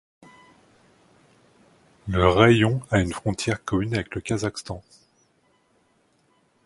Le raïon a une frontière commune avec le Kazakhstan.